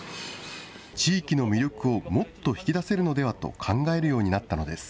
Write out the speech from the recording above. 地域の魅力をもっと引き出せるのではと考えるようになったのです。